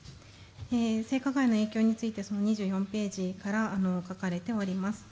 性加害の影響について２４ページから書かれております。